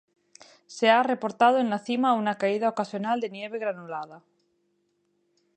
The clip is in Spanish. Se ha reportado en la cima una caída ocasional de nieve granulada.